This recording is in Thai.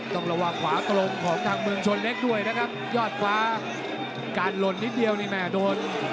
ต้องระวังขวาตรงของทางเมืองชนเล็กด้วยนะครับยอดฟ้าการหล่นนิดเดียวนี่แม่โดน